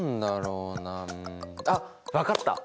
うん。あっ分かった！